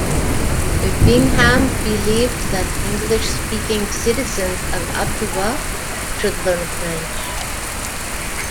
Bingham believed that English speaking citizens of Ottawa should learn French.